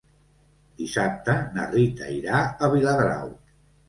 Dissabte na Rita irà a Viladrau.